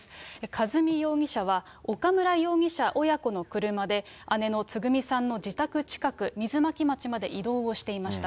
和美容疑者は岡村容疑者親子の車で、姉のつぐみさんの自宅近く、水巻町まで移動をしていました。